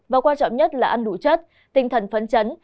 và quan trọng nhất là ăn đủ chất tinh thần phấn chấn